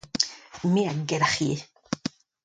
me a gelc'hie.